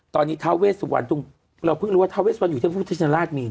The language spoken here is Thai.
ตอนนี้ทาวเวสวรรณเราเพิ่งรู้ว่าทาวเวสวรรณอยู่ที่พุทธชินลาศมีนะ